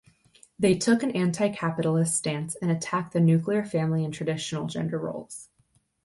They took an anti-capitalist stance and attacked the nuclear family and traditional gender roles.